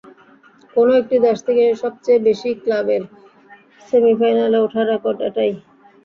কোনো একটি দেশ থেকে সবচেয়ে বেশি ক্লাবের সেমিফাইনালে ওঠার রেকর্ড এটাই।